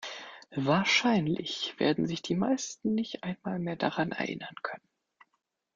Wahrscheinlich werden sich die meisten nicht einmal mehr daran erinnern können.